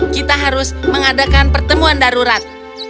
kita harus mengadakan pertemuan darurat